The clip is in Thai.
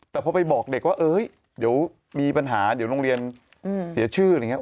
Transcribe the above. แต่พอไปบอกเด็กว่าเดี๋ยวมีปัญหาเดี๋ยวโรงเรียนเสียชื่ออะไรอย่างนี้